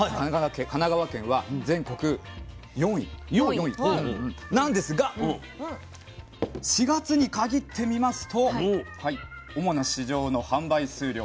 神奈川県は全国４位なんですが４月に限ってみますと主な市場の販売数量